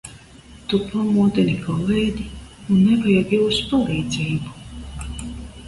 To pamodina kolēģi, un nevajag jūsu palīdzību.